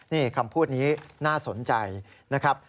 นี่คำพูดนี้น่าสนใจนะครับ